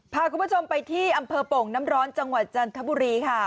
พาคุณผู้ชมไปที่อำเภอโป่งน้ำร้อนจังหวัดจันทบุรีค่ะ